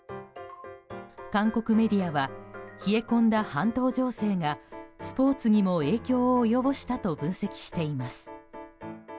韓国メディアは冷え込んだ半島情勢がスポーツにも影響を及ぼしたと分析しています。